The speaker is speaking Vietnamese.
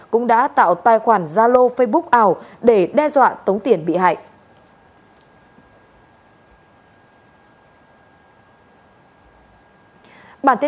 cũng đã tạo tài khoản gia lô facebook ảo để đe dọa tống tiền bị hại